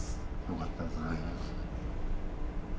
よかったですね。